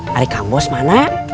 pali kampos mana